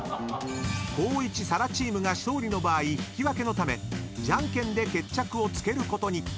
［光一・紗来チームが勝利の場合引き分けのためじゃんけんで決着をつけることに］